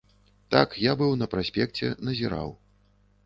Так, я быў на праспекце, назіраў.